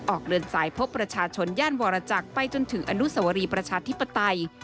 ออกเดินสายพบประชาชนย่านวรจักรไปจนถึงอนุสวรีประชาธิปไตย